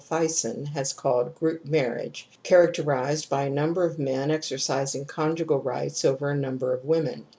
Fison has called ' group marriage ', characterized by a | number of men exercising conjugal rights over a number of women.